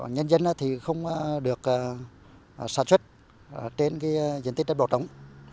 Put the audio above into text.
nhân dân không được sản xuất trên diện tích bỏ trống